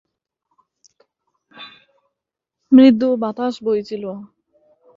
পূজা তাঁর প্রেমে পড়ে এবং আদিত্য চৌধুরী মনে করেন যে আক্রমণটি মহসিন আলি করেছিলেন।